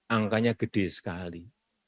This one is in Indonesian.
angkanya gede sekali